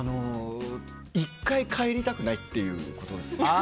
１回、帰りたくないということです。